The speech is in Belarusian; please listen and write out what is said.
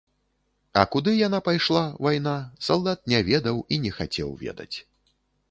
А куды яна пайшла, вайна, салдат не ведаў і не хацеў ведаць.